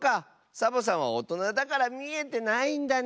サボさんはおとなだからみえてないんだね。